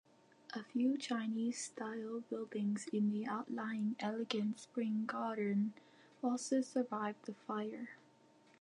A few Chinese-style buildings in the outlying Elegant Spring Garden also survived the fire.